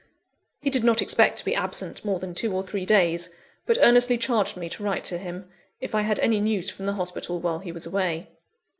He did not expect to be absent more than two or three days; but earnestly charged me to write to him, if I had any news from the hospital while he was away.